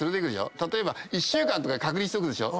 例えば１週間とか隔離するでしょ。